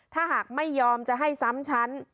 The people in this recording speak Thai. ถ้าหากไม่ยอมจะให้ซ้ำฉัน